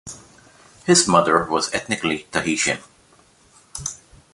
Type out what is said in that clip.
His mother was ethnically Tahitian.